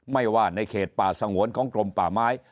ไม่ว่าในเขตป่าสงวนของกรมป่าไม้